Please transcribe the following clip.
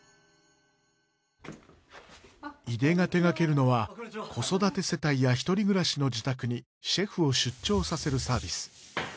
井出が手掛けるのは子育て世帯や１人暮らしの自宅にシェフを出張させるサービス。